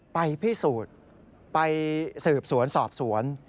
ไปพิสูจน์ไปสืบสวนสอบสวน